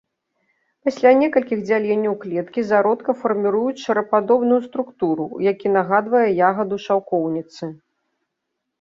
Пасля некалькіх дзяленняў клеткі зародка фарміруюць шарападобную структуру, які нагадвае ягаду шаўкоўніцы.